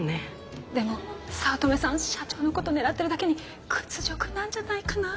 でも早乙女さん社長のこと狙ってるだけに屈辱なんじゃないかな？